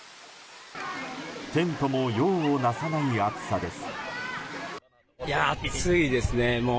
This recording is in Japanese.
テントも用をなさない暑さです。